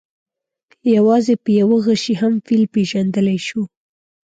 یوازې په یوه غشي هم فیل پېژندلی شو.